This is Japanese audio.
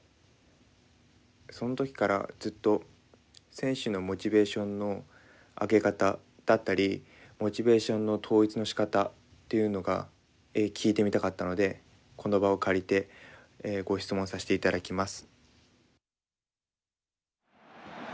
その時からずっと選手のモチベーションの上げ方だったりモチベーションの統一のしかたっていうのが聞いてみたかったのでこの場を借りてご質問させて頂きます。